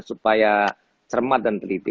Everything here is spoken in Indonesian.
supaya cermat dan teliti